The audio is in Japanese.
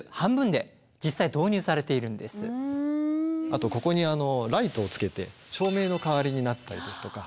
あとここにライトをつけて照明の代わりになったりですとか。